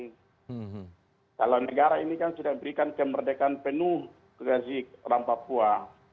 kalau negara ini kan sudah memberikan kemerdekaan penuh kasih orang papua